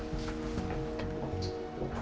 kalau begitu saya permisi